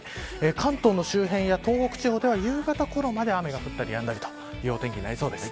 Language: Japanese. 関東の周辺や東北地方では夕方ごろまで雨が降ったりやんだりというお天気になりそうです。